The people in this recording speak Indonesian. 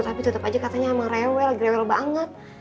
tapi tetap aja katanya emang rewel lagi rewel banget